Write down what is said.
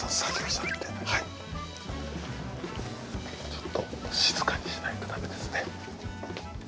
ちょっと静かにしないと駄目ですね。